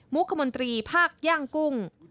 คมนตรีภาคย่างกุ้ง